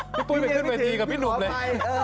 พี่ปุ้ยไปที่ที่แล้วกับพี่หนุ่มเรา